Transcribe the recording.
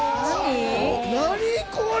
何これ！